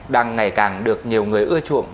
đang ngày càng được nhiều người ưa chuộng